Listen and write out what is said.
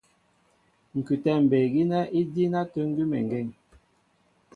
Ŋ̀kʉtɛ̌ mbey gínɛ́ i díín átə̂ ŋgʉ́meŋgeŋ.